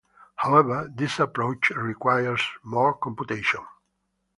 However, this approach requires more computation.